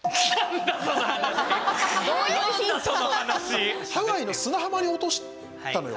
僕はねハワイの砂浜に落としたのよ。